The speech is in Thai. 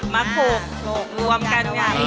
มาผูกรวมกันกัน